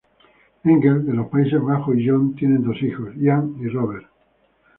Engel, de los países Bajos, y John tienen dos hijos, Ian y Robert.